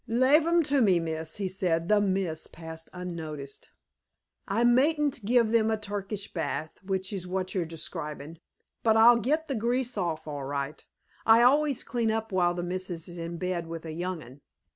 "Lave em to me, miss," he said. The "miss" passed unnoticed. "I mayn't give em a Turkish bath, which is what you are describin', but I'll get the grease off all right. I always clean up while the missus is in bed with a young un."